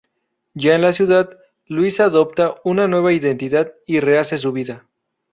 Ya en la ciudad, Luis adopta una nueva identidad y rehace su vida.